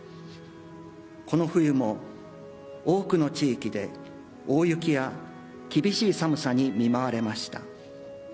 この冬も多くの地域で、大雪や厳しい寒さに見舞われました。